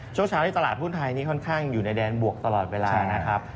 เช้านี้ตลาดหุ้นไทยนี่ค่อนข้างอยู่ในแดนบวกตลอดเวลานะครับ